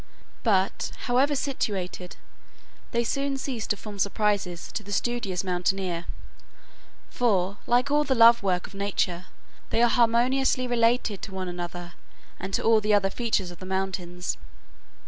But, however situated, they soon cease to form surprises to the studious mountaineer; for, like all the love work of Nature, they are harmoniously related to one another, and to all the other features of the mountains.